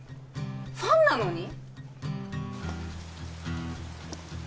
ファンなのに？